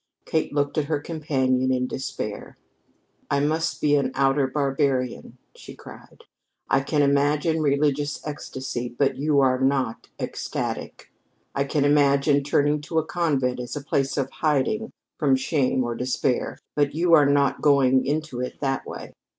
Kate looked at her companion in despair. "I must be an outer barbarian!" she cried. "I can imagine religious ecstasy, but you are not ecstatic. I can imagine turning to a convent as a place of hiding from shame or despair. But you are not going into it that way.